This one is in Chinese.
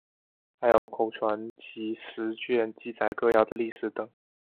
还有口传集十卷记载歌谣的历史等。